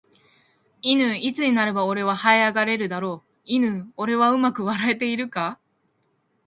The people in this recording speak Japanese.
いぬーいつになれば俺は這い上がれるだろういぬー俺はうまく笑えているか